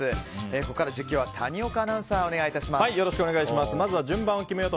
ここから実況は谷岡アナウンサーまずは順番を決めます。